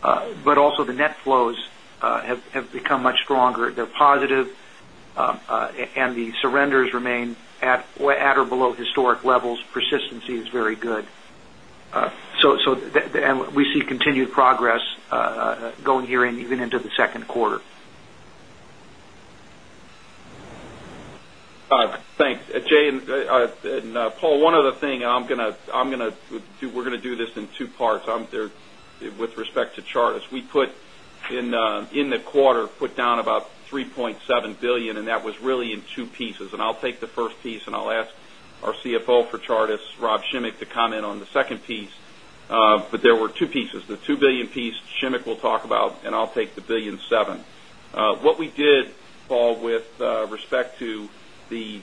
but also the net flows have become much stronger. They're positive, and the surrenders remain at or below historic levels. Persistency is very good. We see continued progress going here and even into the second quarter. Thanks. Jay and Paul, one other thing. We're going to do this in two parts with respect to Chartis. We, in the quarter, put down about $3.7 billion, and that was really in two pieces. I'll take the first piece, and I'll ask our CFO for Chartis, Rob Schimek, to comment on the second piece. There were two pieces. The $2 billion piece, Schimek will talk about, and I'll take the $1.7 billion. What we did, Paul, with respect to the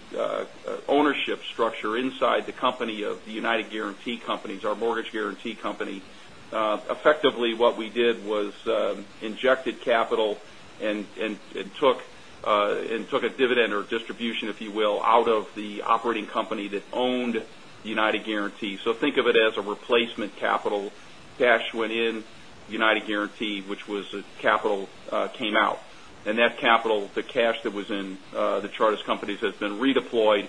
ownership structure inside the company of the United Guaranty companies, our mortgage guaranty company. Effectively what we did was injected capital and took a dividend or distribution, if you will, out of the operating company that owned United Guaranty. Think of it as a replacement capital. Cash went in United Guaranty, which was a capital came out. That capital, the cash that was in the Chartis companies, has been redeployed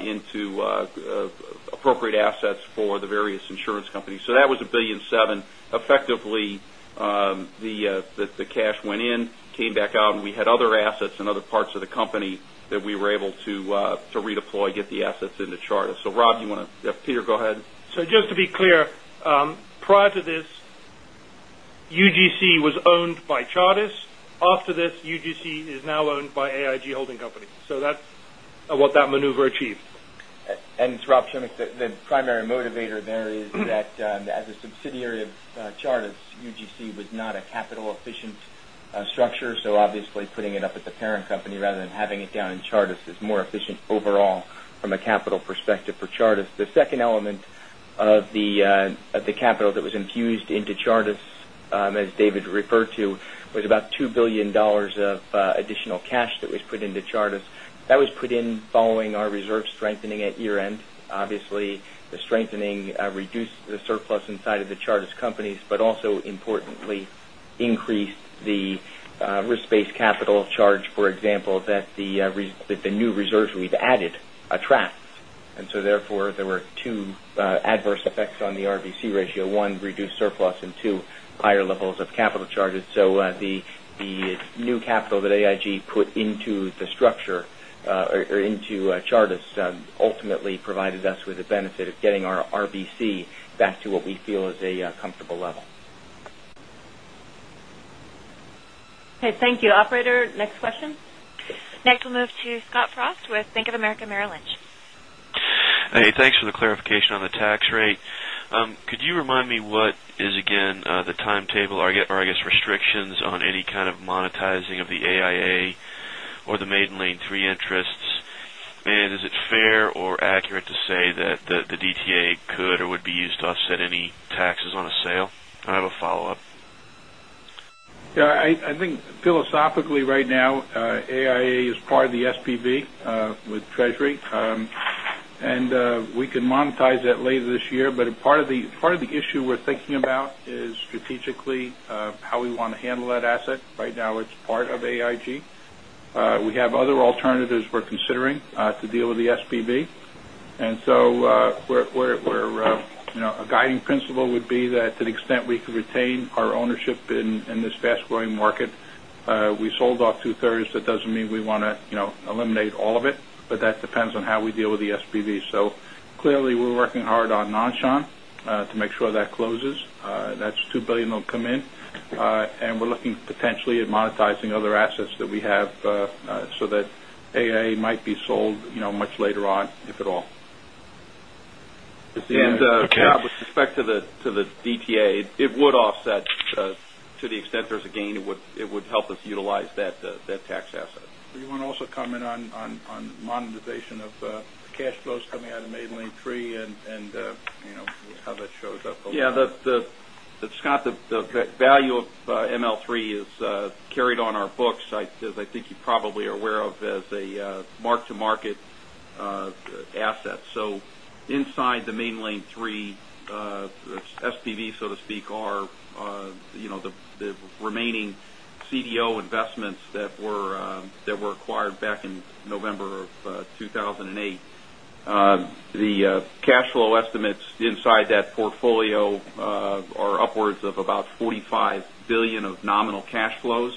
into appropriate assets for the various insurance companies. That was $1.7 billion. Effectively, the cash went in, came back out, and we had other assets in other parts of the company that we were able to redeploy, get the assets into Chartis. Rob, you want to? Peter, go ahead. Just to be clear, prior to this, UGC was owned by Chartis. After this, UGC is now owned by AIG Holding Company. That's what that maneuver achieved. It's Robert Schimek. The primary motivator there is that as a subsidiary of Chartis, UGC was not a capital efficient structure. Obviously, putting it up at the parent company rather than having it down in Chartis is more efficient overall from a capital perspective for Chartis. The second element of the capital that was infused into Chartis, as David referred to, was about $2 billion of additional cash that was put into Chartis. That was put in following our reserve strengthening at year end. Obviously, the strengthening reduced the surplus inside of the Chartis companies, but also importantly increased the risk-based capital charge, for example, that the new reserves we've added attracts. Therefore, there were two adverse effects on the RBC ratio. One, reduced surplus, and two, higher levels of capital charges. The new capital that AIG put into the structure or into Chartis ultimately provided us with the benefit of getting our RBC back to what we feel is a comfortable level. Thank you. Operator, next question. We'll move to Scott Frost with Bank of America Merrill Lynch. Thanks for the clarification on the tax rate. Could you remind me what is again the timetable or I guess restrictions on any kind of monetizing of the AIA or the Maiden Lane III interests? Is it fair or accurate to say that the DTA could or would be used to offset any taxes on a sale? I have a follow-up. Yeah, I think philosophically right now, AIA is part of the SPV with Treasury. We can monetize that later this year. Part of the issue we're thinking about is strategically how we want to handle that asset. Right now, it's part of AIG. We have other alternatives we're considering to deal with the SPV. A guiding principle would be that to the extent we can retain our ownership in this fast-growing market, we sold off two-thirds. That doesn't mean we want to eliminate all of it, but that depends on how we deal with the SPV. Clearly we're working hard on Nan Shan to make sure that closes. That's $2 billion that'll come in. We're looking potentially at monetizing other assets that we have so that AIA might be sold much later on, if at all. With respect to the DTA, it would offset to the extent there's a gain, it would help us utilize that tax asset. Do you want to also comment on the monetization of the cash flows coming out of Maiden Lane III and how that shows up? Scott, the value of ML3 is carried on our books, as I think you probably are aware of, as a mark-to-market asset. Inside the Maiden Lane III SPV, so to speak, are the remaining CDO investments that were acquired back in November of 2008. The cash flow estimates inside that portfolio are upwards of about $45 billion of nominal cash flows.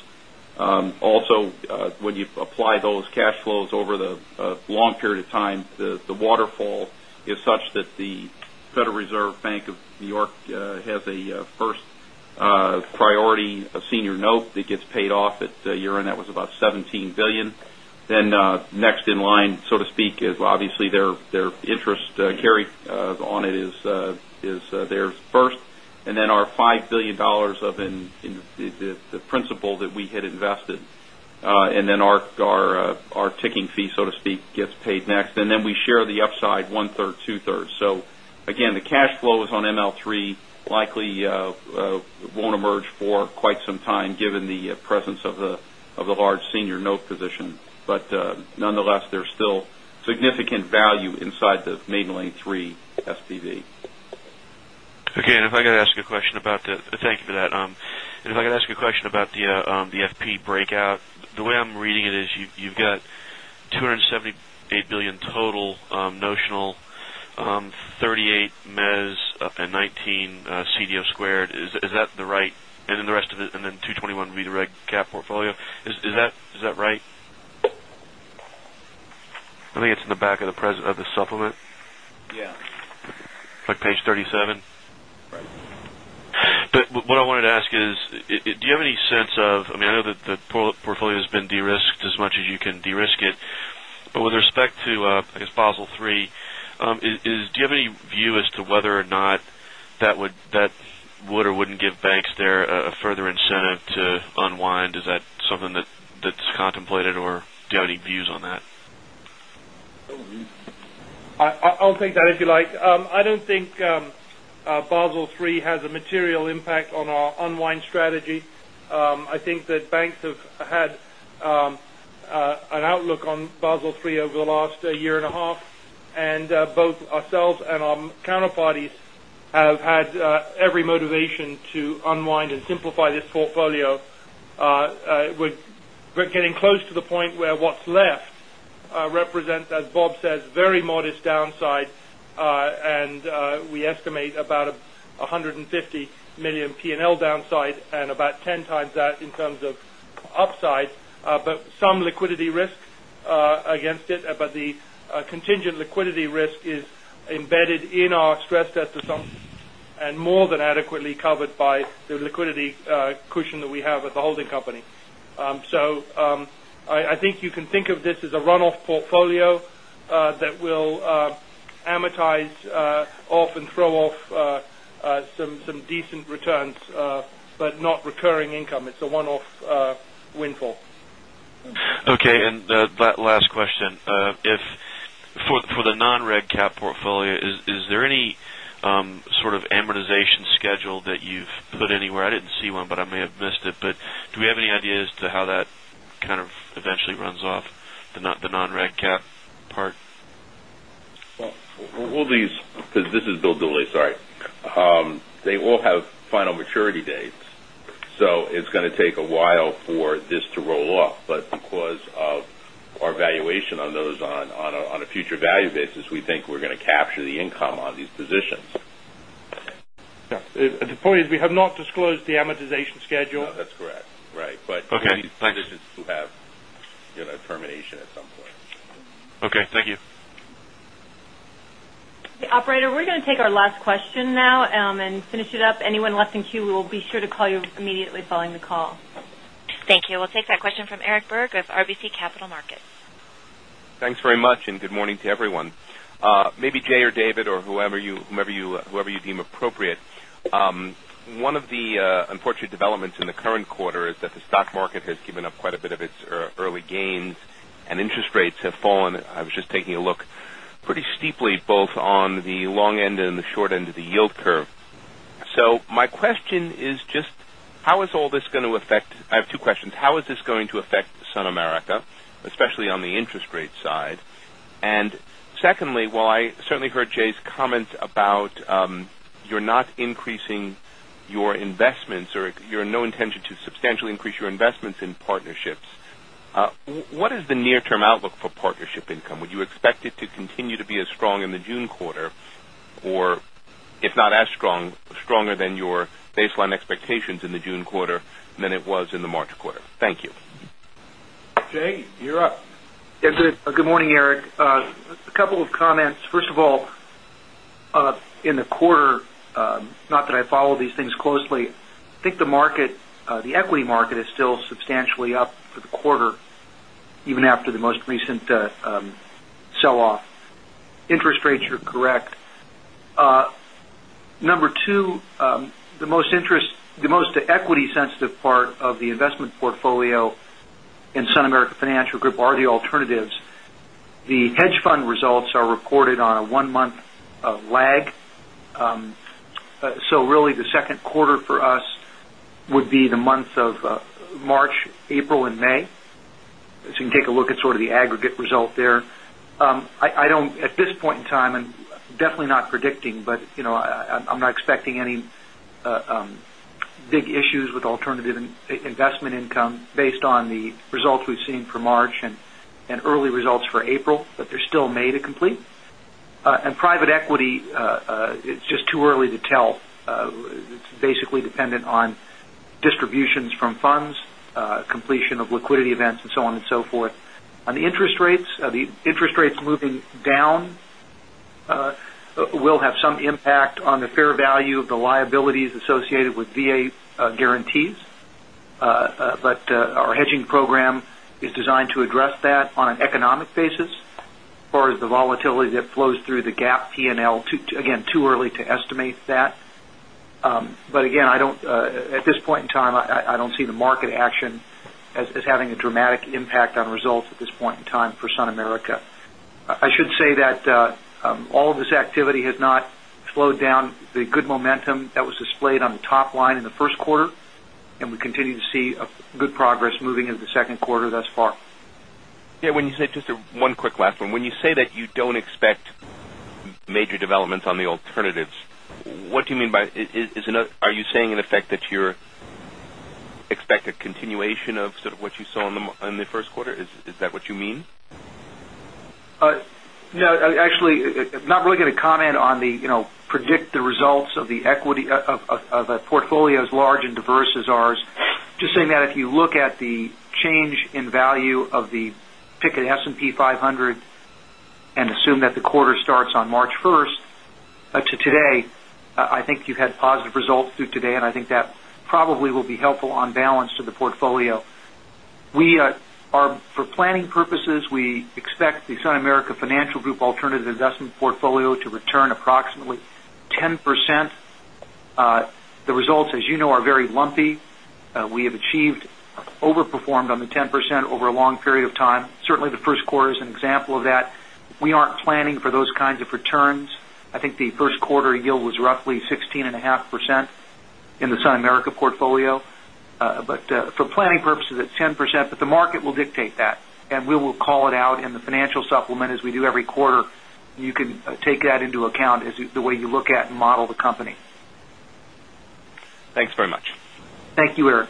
When you apply those cash flows over the long period of time, the waterfall is such that the Federal Reserve Bank of New York has a first priority senior note that gets paid off at year-end. That was about $17 billion. Next in line, so to speak, is obviously their interest carry on it is theirs first, and then our $5 billion of the principal that we had invested. Our ticking fee, so to speak, gets paid next. We share the upside one-third, two-thirds. Again, the cash flows on ML3 likely won't emerge for quite some time given the presence of the large senior note position. Nonetheless, there's still significant value inside the Maiden Lane III SPV. If I could ask a question about that. Thank you for that. If I could ask a question about the FP breakout. The way I'm reading it is you've got $278 billion total notional, $38 mezz, and $19 CDO squared. The rest of it, $221 would be the reg cap portfolio. Is that right? I think it's in the back of the supplement. Yeah. Like page 37. Right. What I wanted to ask is, do you have any sense of I know that the portfolio has been de-risked as much as you can de-risk it, but with respect to, I guess, Basel III, do you have any view as to whether or not that would or wouldn't give banks there a further incentive to unwind? Is that something that's contemplated, or do you have any views on that? I'll take that if you like. I don't think Basel III has a material impact on our unwind strategy. I think that banks have had an outlook on Basel III over the last year and a half, and both ourselves and our counterparties have had every motivation to unwind and simplify this portfolio. We're getting close to the point where what's left represents, as Bob says, very modest downside. We estimate about $150 million P&L downside and about 10 times that in terms of upside. Some liquidity risk against it. The contingent liquidity risk is embedded in our stress test assumptions and more than adequately covered by the liquidity cushion that we have at the holding company. I think you can think of this as a run-off portfolio that will amortize off and throw off some decent returns but not recurring income. It's a one-off windfall. Okay. Last question. For the non-regulatory capital portfolio, is there any sort of amortization schedule that you've put anywhere? I didn't see one, but I may have missed it. Do we have any idea as to how that kind of eventually runs off the non-regulatory capital part? Well, all these this is William Dooley, sorry. They all have final maturity dates. It's going to take a while for this to roll off. Because of our valuation on those on a future value basis, we think we're going to capture the income on these positions. Yeah. The point is we have not disclosed the amortization schedule. No, that's correct. Right. Okay. Thanks. These positions do have termination at some point. Okay. Thank you. Okay, operator, we're going to take our last question now and finish it up. Anyone left in queue, we'll be sure to call you immediately following the call. Thank you. We'll take that question from Eric Berg of RBC Capital Markets. Thanks very much. Good morning to everyone. Maybe Jay or David or whoever you deem appropriate. One of the unfortunate developments in the current quarter is that the stock market has given up quite a bit of its early gains, and interest rates have fallen. I was just taking a look pretty steeply, both on the long end and the short end of the yield curve. I have two questions. How is this going to affect SunAmerica, especially on the interest rate side? Secondly, while I certainly heard Jay's comments about you're not increasing your investments, or you're no intention to substantially increase your investments in partnerships. What is the near-term outlook for partnership income? Would you expect it to continue to be as strong in the June quarter, or if not as strong, stronger than your baseline expectations in the June quarter than it was in the March quarter? Thank you. Jay, you're up. Good morning, Eric. A couple of comments. First of all, in the quarter, not that I follow these things closely, I think the equity market is still substantially up for the quarter, even after the most recent sell-off. Interest rates, you're correct. Number 2, the most equity-sensitive part of the investment portfolio in SunAmerica are the alternatives. The hedge fund results are reported on a one-month lag. Really, the second quarter for us would be the months of March, April, and May. You can take a look at sort of the aggregate result there. At this point in time, I'm definitely not predicting, but I'm not expecting any big issues with alternative investment income based on the results we've seen for March and early results for April. They're still made [to] complete. Private equity, it's just too early to tell. It's basically dependent on distributions from funds, completion of liquidity events, and so on and so forth. On the interest rates, the interest rates moving down will have some impact on the fair value of the liabilities associated with VA guarantees. Our hedging program is designed to address that on an economic basis. As far as the volatility that flows through the GAAP P&L, again, too early to estimate that. Again, at this point in time, I don't see the market action as having a dramatic impact on results at this point in time for SunAmerica. I should say that all of this activity has not slowed down the good momentum that was displayed on the top line in the first quarter, we continue to see good progress moving into the second quarter thus far. Yeah. One quick last one. When you say that you don't expect major developments on the alternatives, what do you mean by it? Are you saying, in effect, that you expect a continuation of sort of what you saw in the first quarter? Is that what you mean? No. Actually, I'm not really going to comment on predict the results of a portfolio as large and diverse as ours. Just saying that if you look at the change in value of the pick of the S&P 500 and assume that the quarter starts on March 1st to today, I think you've had positive results through today, and I think that probably will be helpful on balance to the portfolio. For planning purposes, we expect the SunAmerica Financial Group alternative investment portfolio to return approximately 10%. The results, as you know, are very lumpy. We have overperformed on the 10% over a long period of time. Certainly, the first quarter is an example of that. We aren't planning for those kinds of returns. I think the first quarter yield was roughly 16.5% in the SunAmerica portfolio. For planning purposes, it's 10%. The market will dictate that. We will call it out in the financial supplement as we do every quarter. You can take that into account as the way you look at and model the company. Thanks very much. Thank you, Eric.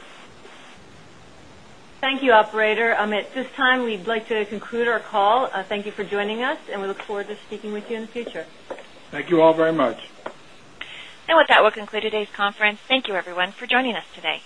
Thank you, operator. At this time, we'd like to conclude our call. Thank you for joining us, and we look forward to speaking with you in the future. Thank you all very much. With that, we'll conclude today's conference. Thank you everyone for joining us today.